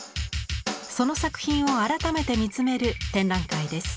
その作品を改めて見つめる展覧会です。